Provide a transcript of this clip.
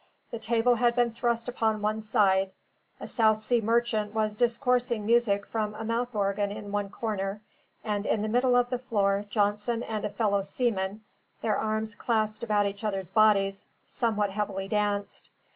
The table had been thrust upon one side; a South Sea merchant was discoursing music from a mouth organ in one corner; and in the middle of the floor Johnson and a fellow seaman, their arms clasped about each other's bodies, somewhat heavily danced.